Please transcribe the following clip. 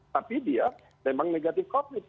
tapi dia memang negatif covid